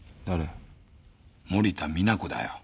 森田実那子だよ。